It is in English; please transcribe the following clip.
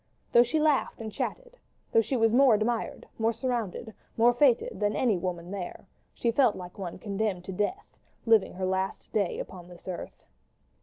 Though she laughed and chatted, though she was more admired, more surrounded, more fêted than any woman there, she felt like one condemned to death, living her last day upon this earth.